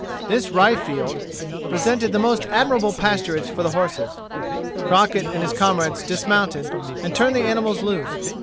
This rye field presented the most admirable pasturage for the horses. Crockett and his comrades dismounted, and turned the animals loose.